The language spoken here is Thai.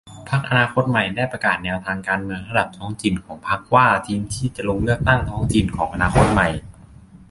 พรรคอนาคตใหม่ได้ประกาศแนวทางการเมืองระดับท้องถิ่นของพรรคว่า ทีมที่จะลงเลือกตั้งท้องถิ่น ของอนาคตใหม่